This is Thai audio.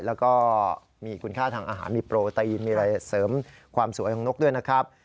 แล้วก็มีคุณค่าทางอาหารมีโปรตีนมีอะไรเสริมความสวยของนกด้วยนะครับ